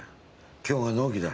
今日は納期だ。